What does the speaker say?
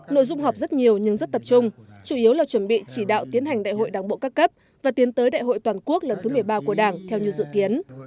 nội dung họp rất nhiều nhưng rất tập trung chủ yếu là chuẩn bị chỉ đạo tiến hành đại hội đảng bộ các cấp và tiến tới đại hội toàn quốc lần thứ một mươi ba của đảng theo như dự kiến